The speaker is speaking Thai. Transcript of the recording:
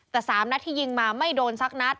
แต่๓นัดที่ยิงมาไม่โดนสักนัด